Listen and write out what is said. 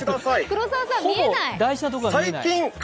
黒澤さん見えない！